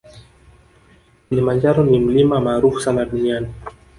Kilimanjaro ni mlima maarufu sana duniani